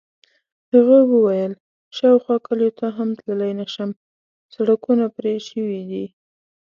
هغه وویل: شاوخوا کلیو ته هم تللی نه شم، سړکونه پرې شوي دي.